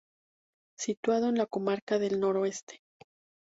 Situado en la comarca del Noroeste.